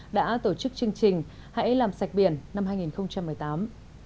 đã tổ chức chương trình hãy làm sạch biển năm hai nghìn một mươi tám